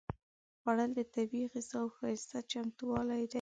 خوړل د طبیعي غذاوو ښايسته چمتووالی دی